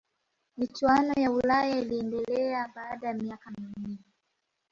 michuano ya ulaya iliendelea baada ya miaka minne